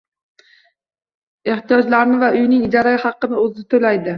Ehtiyojlarini va uyining ijara haqini oʻzi toʻlaydi.